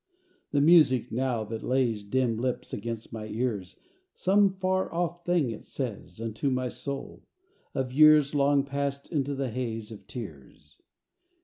III The music now that lays Dim lips against my ears, Some far off thing it says, Unto my soul, of years Long passed into the haze Of tears.